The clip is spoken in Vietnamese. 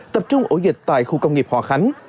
tập trung ổ dịch tại khu công nghiệp hòa khánh